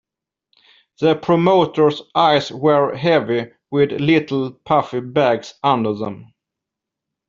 The promoter's eyes were heavy, with little puffy bags under them.